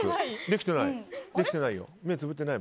できてないよ。